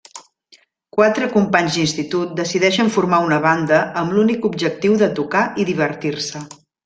Quatre companys d'institut decideixen formar una banda amb l'únic objectiu de tocar i divertir-se.